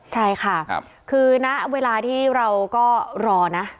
ใช่ค่ะคือณเวลาที่เราก็รอนะ